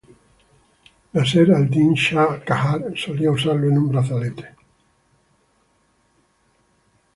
Nasser-al-Din Shah Qajar solía usarlo en un brazalete.